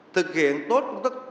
thực hiện tốt công tác